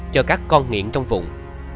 cho các con nghiện trong vùng